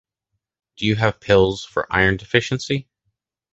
Do you have pills for iron deficiency?